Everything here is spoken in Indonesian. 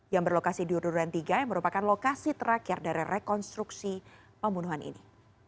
yang berlokasi di uduran tiga yang merupakan lokasi terakhir dari rekonstruksi pembunuhan ini